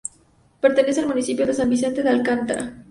Pertenece al municipio de San Vicente de Alcántara.